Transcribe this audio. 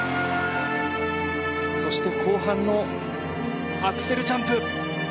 そして後半のアクセルジャンプ。